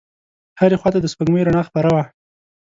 هرې خواته د سپوږمۍ رڼا خپره وه.